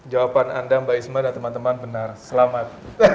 jawaban anda mbak isma dan teman teman benar selamat